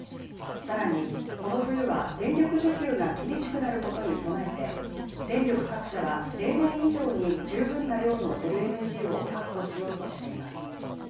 さらにこの冬は電力需給が厳しくなることに備えて、電力各社は例年以上に十分な量のＬＮＧを確保しようとしています。